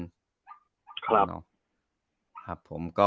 ครับ